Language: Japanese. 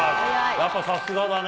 やっぱさすがだね。